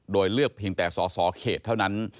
โดยเลือกเพียงแต่สอสอเขตเท่านั้น